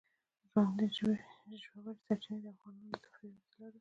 ژورې سرچینې د افغانانو د تفریح یوه وسیله ده.